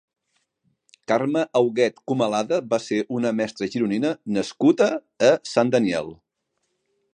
Carme Auguet Comalada va ser una mestra gironina nascuda a Sant Daniel.